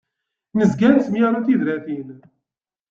Nezga nettemyaru tibratin.